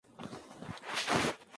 W:ââ dono.